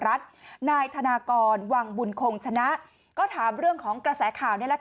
รัฐนายธนากรวังบุญคงชนะก็ถามเรื่องของกระแสข่าวนี่แหละค่ะ